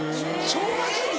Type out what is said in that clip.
正月に？